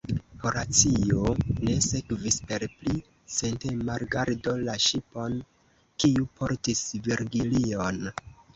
Horacio ne sekvis per pli sentema rigardo la ŝipon, kiu portis Virgilion.